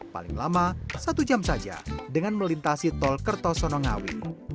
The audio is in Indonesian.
paling lama satu jam saja dengan melintasi tol kertosono ngawi